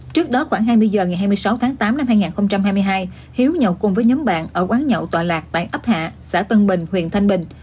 trước đó khoảng hai mươi h ngày hai mươi sáu tháng tám năm hai nghìn hai mươi hai hiếu nhậu cùng với nhóm bạn ở quán nhậu tòa lạc tại ấp hạ xã tân bình huyện thanh bình